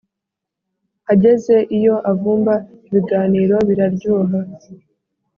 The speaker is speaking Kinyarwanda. ageze iyo avumba ibiganiro biraryoha,